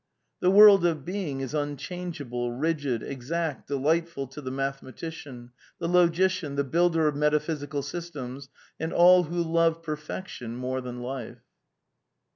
" The world of being is unchangeable, rigid, exact, delightful to the mathematician, the logician, the builder of metapl^sical systems, and all who love perfection more than life."